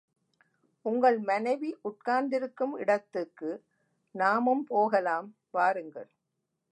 உங்கள் மனைவி உட்கார்ந்திருக்கும் இடத்துக்கு நாமும் போகலாம், வாருங்கள்!